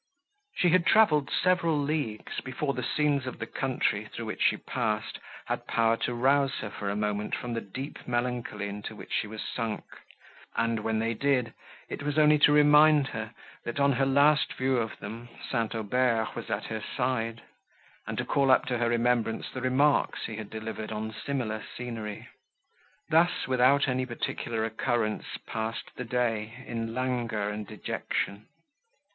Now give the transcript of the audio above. She had travelled several leagues, before the scenes of the country, through which she passed, had power to rouse her for a moment from the deep melancholy, into which she was sunk, and, when they did, it was only to remind her, that, on her last view of them, St. Aubert was at her side, and to call up to her remembrance the remarks he had delivered on similar scenery. Thus, without any particular occurrence, passed the day in languor and dejection.